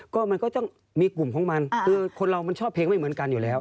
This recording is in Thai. ก็มันก็ต้องมีกลุ่มของมันคือคนเรามันชอบเพลงไม่เหมือนกันอยู่แล้ว